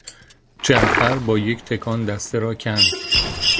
جعفر با یک تکان دسته را کند.